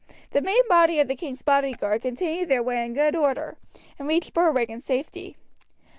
The main body of the king's bodyguard continued their way in good order, and reached Berwick in safety.